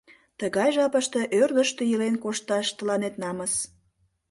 Тыгай жапыште ӧрдыжтӧ илен кошташ тыланет намыс.